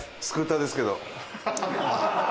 スクーターですけど。